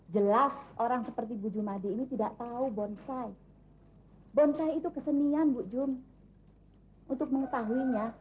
jelas orang seperti bu jumadi ini tidak tahu bonsai bonsai itu kesenian bu jun untuk mengetahuinya